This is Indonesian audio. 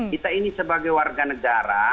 kita ini sebagai warga negara